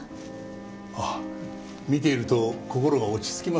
あ見ていると心が落ち着きますね。